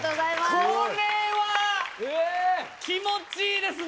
これは気持ちいいですね。